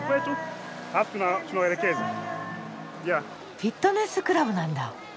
フィットネスクラブなんだ。